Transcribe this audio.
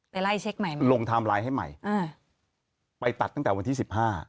ไปไล่เช็คใหม่ไหมลงไทม์ไลน์ให้ใหม่ไปตัดตั้งแต่วันที่๑๕